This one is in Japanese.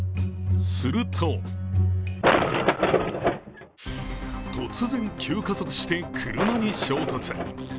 すると突然、急加速して車に衝突。